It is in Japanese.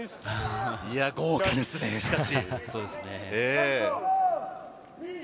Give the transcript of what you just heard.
豪華ですね、しかし。